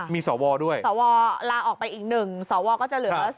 มีสวด้วยสวลาออกไปอีก๑สวก็จะเหลือ